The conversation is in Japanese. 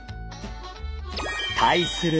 対する